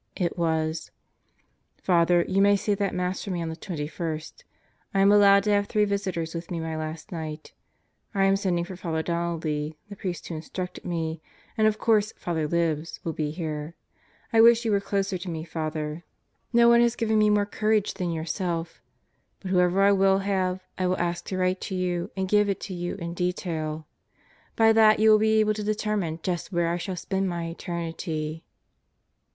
It was: Father, you may say that Mass for me on the 21st. I am allowed to have three visitors with me my last night. ... I am sending for Father Donnelly, the priest who instructed me; and of course, Father Libs will be here. I wish you were closer to me, Father. No one has 166 God Goes to Murderer's Roto given me more courage than yourself. But whoever I will have, I will ask to write to you and give it to you in detail. By that you will be able to determine just where I shall spend my eternity.